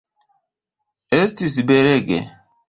Estis belege.